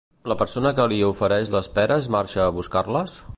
La persona que li ofereix les peres marxa a buscar-les?